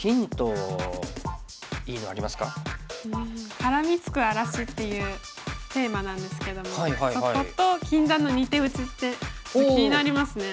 「からみつく荒らし」っていうテーマなんですけどもそこと「禁断の二手打ち」ってちょっと気になりますね。